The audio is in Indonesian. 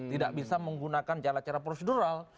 tidak bisa menggunakan cara cara prosedural